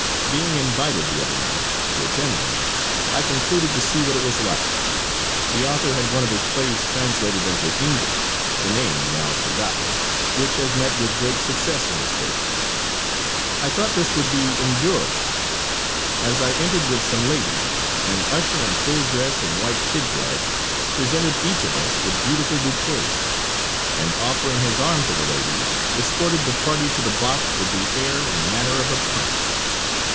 Being invited, the other night, to attend one, I concluded to see what it was like. The author had one of his plays translated into English the name now forgotten which has met with great success in the States. I thought this would be endurable. As I entered with some ladies an usher in full dress and white kid gloves presented each of us with beautiful bouquets, and offering his arm to the ladies, escorted the party to the box with the air and manner of a prince.